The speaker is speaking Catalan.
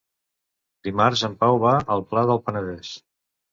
Dimarts en Pau va al Pla del Penedès.